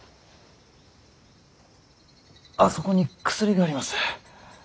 あそこに薬があります。